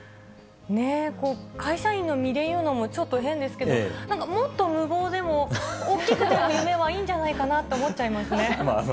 会社員の身で言うのも、ちょっと変ですけど、なんかもっと無謀でも、大きな夢がいいんじゃないかなと思っちゃいますね。